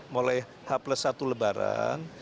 mulai h plus satu lebaran